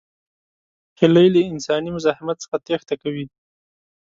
هیلۍ له انساني مزاحمت څخه تېښته کوي